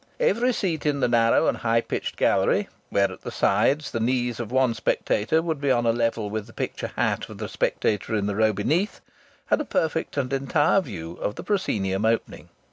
Every seat in the narrow and high pitched gallery, where at the sides the knees of one spectator would be on a level with the picture hat of the spectator in the row beneath, had a perfect and entire view of the proscenium opening.